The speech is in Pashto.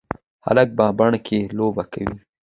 هلک په بڼ کې لوبې کوي.